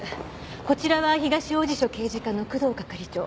こちらは東王子署刑事課の工藤係長。